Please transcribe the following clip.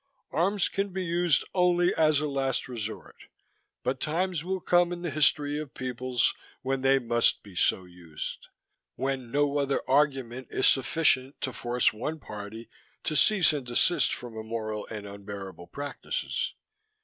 Arms can be used only as a last resort, but times will come in the history of peoples when they must be so used, when no other argument is sufficient to force one party to cease and desist from immoral and unbearable practices.